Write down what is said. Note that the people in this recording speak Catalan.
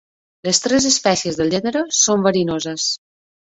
Les tres espècies del gènere són verinoses.